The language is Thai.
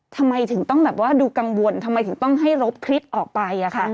ทำไมถึงต้องแบบว่าดูกังวลทำไมถึงต้องให้รบคลิปออกไป